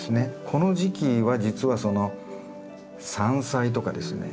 この時期は実はその山菜とかですね